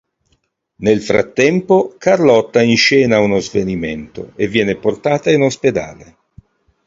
Nel frattempo, Carlotta inscena uno svenimento e viene portata in ospedale.